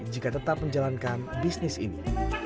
jika tetap menjalankan bisnis ini